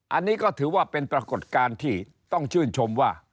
อันนี้ก็ถือว่าเป็นปรากฏการณ์ที่ต้องชื่นชมว่า